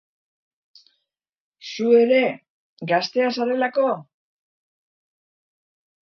Zu ere, gaztea zarelako!